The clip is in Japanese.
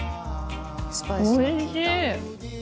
おいしい！